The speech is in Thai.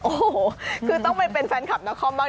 โอ้โหคือต้องไปเป็นแฟนคลับนครบ้าง